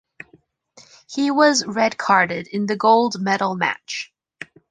He was red-carded in the gold medal match.